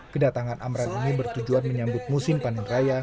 kedatangan amran ini bertujuan menyambut musim panen raya